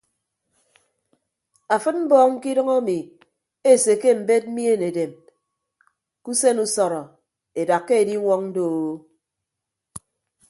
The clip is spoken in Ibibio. Afịd mbọọñ kidʌñ emi esekke embed mien edem ke usen usọrọ edakka ediñwọñ doo.